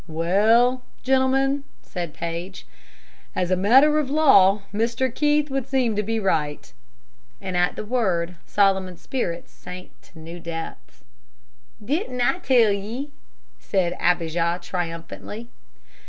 "Well, gentlemen," said Paige, "as a matter of law, Mr. Keith would seem to be right," and at the word Solomon's spirits sank to new depths. "Didn't I tell ye?" said Abijah, triumphantly.